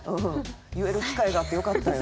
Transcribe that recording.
言える機会があってよかったよ。